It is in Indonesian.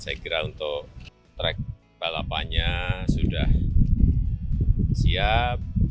saya kira untuk track balapannya sudah siap